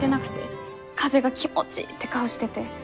風が気持ちいいって顔してて。